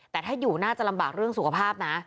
แต่ถ้าอยู่น่าจะลำบากเรื่องสุขภาพนะ